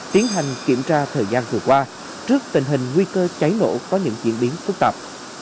tiến hành kiểm tra thời gian vừa qua trước tình hình nguy cơ cháy nổ có những diễn biến phức tạp